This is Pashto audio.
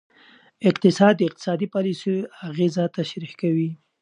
اقتصاد د اقتصادي پالیسیو اغیزه تشریح کوي.